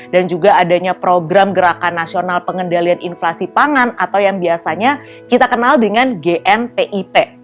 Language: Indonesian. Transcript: dan juga adanya program gerakan nasional pengendalian inflasi pangan atau yang biasanya kita kenal dengan gnpip